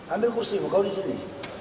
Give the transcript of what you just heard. ambil kursi kau di sini